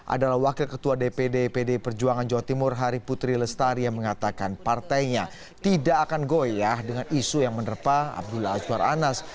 adalah wakil ketua dpd pd perjuangan jawa timur hari putri lestari yang mengatakan partainya tidak akan goyah dengan isu yang menerpa abdullah azwar anas